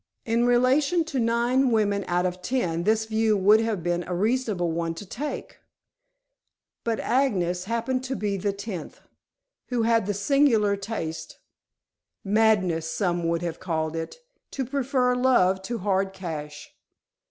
In relation to nine women out of ten, this view would have been a reasonable one to take, but Agnes happened to be the tenth, who had the singular taste madness some would have called it to prefer love to hard cash.